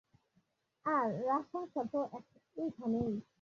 আর, রাজসংসার তো এইখানেই।